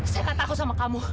saya gak tahu sama kamu